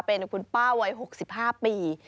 เป็นคุณป้าวัย๖๕ปี